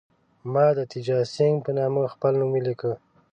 ما د تیجاسینګه په نامه خپل نوم ولیکه.